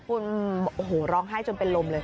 คุณโอ้โหร้องไห้จนเป็นลมเลย